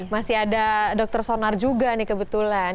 masih ada dokter sonar juga nih kebetulan